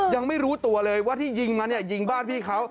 ยังไม่รู้ตัวเลยว่าที่ยิงมาเนี่ยยิงบ้านพี่เขา